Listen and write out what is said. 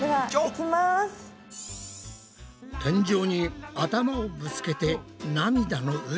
天井に頭をぶつけて涙の海。